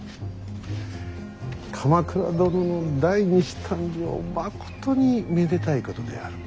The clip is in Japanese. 鎌倉殿の第二子誕生まことにめでたいことである。